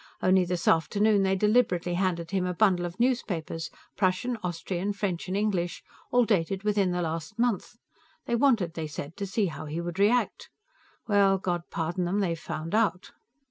Only this afternoon they deliberately handed him a bundle of newspapers Prussian, Austrian, French, and English all dated within the last month. They wanted they said, to see how he would react. Well, God pardon them, they've found out!